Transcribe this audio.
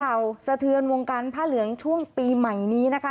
สะเทือนวงการผ้าเหลืองช่วงปีใหม่นี้นะคะ